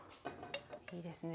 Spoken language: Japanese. いいですね。